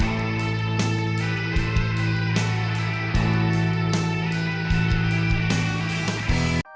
tuan tuan tahu audiences